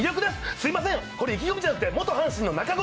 すみません、これ意気込みじゃなくて元阪神の中込！